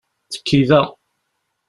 Tekki da!